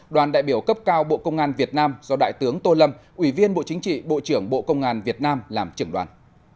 đoàn đại biểu cấp cao bộ công an việt nam do đại tướng tô lâm ủy viên bộ chính trị bộ trưởng bộ công an việt nam làm trưởng đoàn